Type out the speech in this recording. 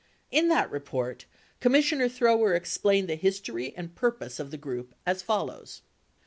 In that report, Commissioner Thrower explained the history and purpose of the group as follows